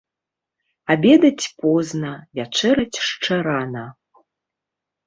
Абедаць позна, вячэраць шчэ рана.